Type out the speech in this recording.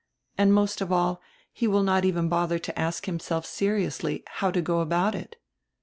And, most of all, he will not even bother to ask himself seriously how to go about it.